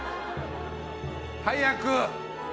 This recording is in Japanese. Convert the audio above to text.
早く。